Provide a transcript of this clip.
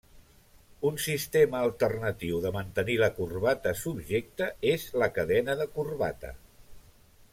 Un sistema alternatiu de mantenir la corbata subjecta és la cadena de corbata.